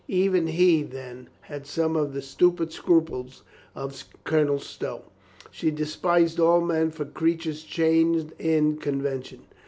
Even he, then, had some of the stupid scruples of Colonel Stow. She despised all men for creatures chained in convention. ..